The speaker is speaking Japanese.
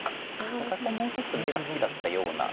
昔はもうちょっと地が好きだったような。